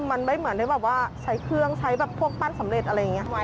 มันไม่เหมือนได้แบบว่าใช้เครื่องใช้แบบพวกปั้นสำเร็จอะไรอย่างนี้